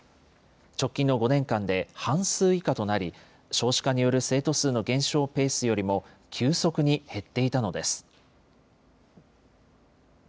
直近の５年間で半数以下となり、少子化による生徒数の減少ペースよりも急速に減っていたのです。